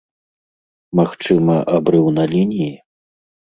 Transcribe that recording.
Магчыма, абрыў на лініі?